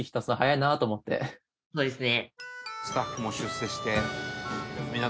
そうですね。